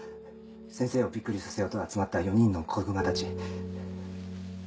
先生をびっくりさせようと集まった４人の子グマたち。